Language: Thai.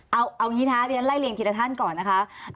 เอาอย่างนี้นะเรียนไล่เรียงทีละท่านก่อนนะคะ